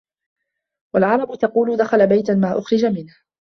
وَالْعَرَبُ تَقُولُ دَخَلَ بَيْتًا مَا أُخْرِجَ مِنْهُ